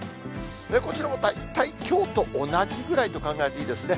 こちらも大体きょうと同じぐらいと考えていいですね。